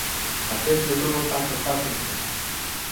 Acest lucru nu s-a întâmplat încă.